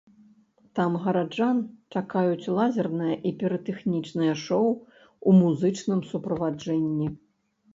Там гараджан чакаюць лазернае і піратэхнічнае шоу ў музычным суправаджэнні.